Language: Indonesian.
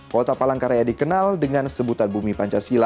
kota palangkaraya dikenal dengan sebutannya